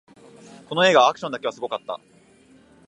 この映画、アクションだけはすごかった